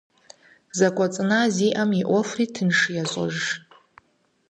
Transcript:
Зэкӏуэцӏына зиӏэм и ӏуэхури тынш ещӏыж.